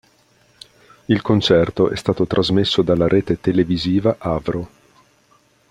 Il concerto è stato trasmesso dalla rete televisiva Avro.